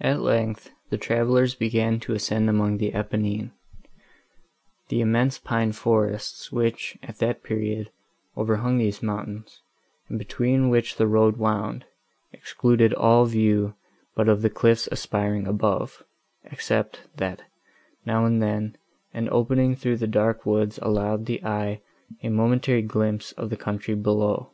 At length, the travellers began to ascend among the Apennines. The immense pine forests, which, at that period, overhung these mountains, and between which the road wound, excluded all view but of the cliffs aspiring above, except, that, now and then, an opening through the dark woods allowed the eye a momentary glimpse of the country below.